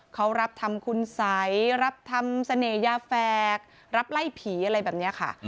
เขารับทำคุณสัยรับทำเสน่หยาแฝกรับไล่ผีอะไรแบบนี้ค่ะ